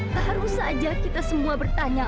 baru saja kita semua bertanya